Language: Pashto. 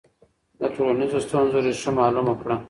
د ټولنیزو ستونزو ریښه معلومه کړه.